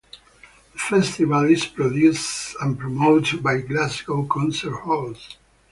The festival is produced and promoted by Glasgow's Concert Halls.